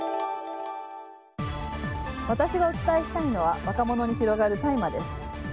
私がお伝えしたいのは若者に広がる大麻です。